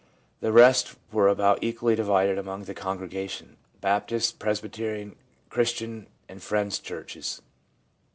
The rest were about equally divided among the Congrega tional, Baptist, Presbyterian, Christian and Friend's Churches.